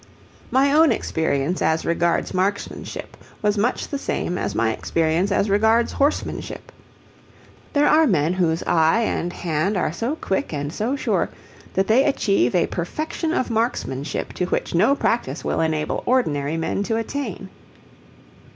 My own experience as regards marksmanship was much the same as my experience as regards horsemanship. There are men whose eye and hand are so quick and so sure that they achieve a perfection of marksmanship to which no practice will enable ordinary men to attain.